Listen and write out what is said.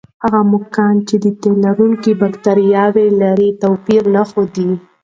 هغه موږکان چې د تیلرونکي بکتریاوې لري، توپیر نه ښود.